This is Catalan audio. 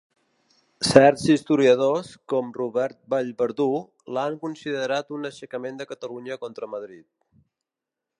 Certs historiadors, com Robert Vallverdú l'han considerat un aixecament de Catalunya contra Madrid.